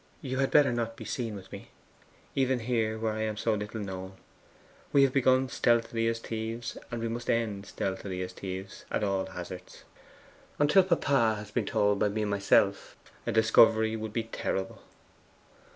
'You had better not be seen with me, even here where I am so little known. We have begun stealthily as thieves, and we must end stealthily as thieves, at all hazards. Until papa has been told by me myself, a discovery would be terrible.